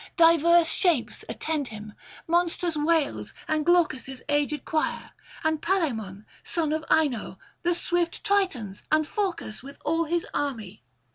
Diverse shapes attend him, monstrous whales, and Glaucus' aged choir, and Palaemon, son of Ino, the swift Tritons, and Phorcus with all his army.